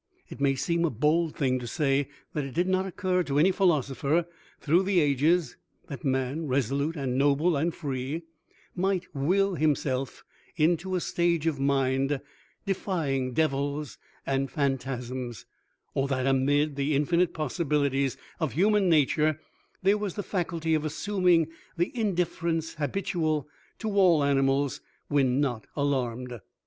It may seem a bold thing to say that it did not occur to any philosopher through the ages that man, resolute and noble and free, might will himself into a stage of mind defying devils and phantasms, or that amid the infinite possibilities of human nature there was the faculty of assuming the Indifference habitual to all animals when not alarmed.